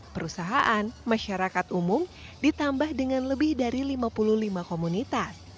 perusahaan masyarakat umum ditambah dengan lebih dari lima puluh lima komunitas